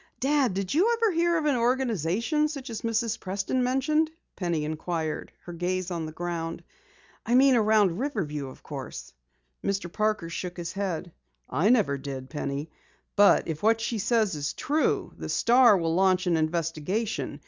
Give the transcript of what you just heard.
"Dad, did you ever hear of an organization such as Mrs. Preston mentioned?" Penny inquired, her gaze on the ground. "I mean around Riverview, of course." Mr. Parker shook his head. "I never did, Penny. But if what she says is true, the Star will launch an investigation.